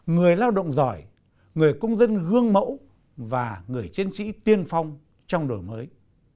người lao động giỏi người công dân gương mẫu và người chiến sĩ tiên phong trong đổi mới